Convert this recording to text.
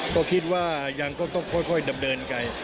ก็คิดว่ายังก็ต้องค่อยดำเนินการ